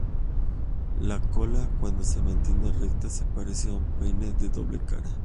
La cola, cuando se mantiene recta, se parece a un peine de doble cara.